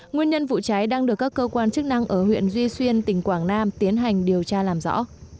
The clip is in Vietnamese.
nguyên nhân vụ cháy đang được các cơ quan chức năng ở huyện duy xuyên tỉnh quảng nam tiến hành điều tra làm rõ